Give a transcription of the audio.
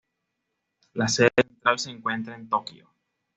La sede central se encuentra en Tokio.